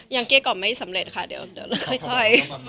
ยังเกี้ยกออกไม่สำเร็จค่ะเดี๋ยวครับ